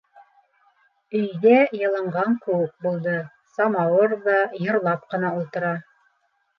Өй ҙә йылынған кеүек булды, самауыр ҙа йырлап ҡына ултыра.